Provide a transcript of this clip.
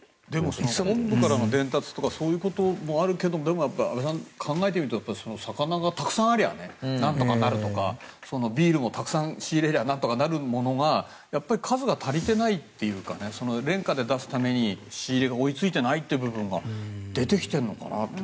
本部からの伝達とかそういうこともあるけどでも、安部さん考えてみると魚がたくさんあればなんとかなるとかビールもたくさん仕入れればなんとかなるものがやっぱり数が足りていないというか廉価で出すために仕入れが追いついていないという部分が出てきているのかなと。